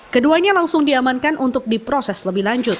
keduanya langsung diamankan untuk diproses lebih lanjut